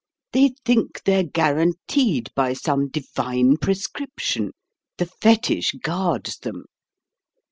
They think they're guaranteed by some divine prescription. The fetich guards them.